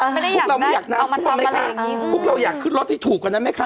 พวกเราไม่อยากน้ำพวกเราอยากขึ้นรถที่ถูกกว่านั้นไหมคะ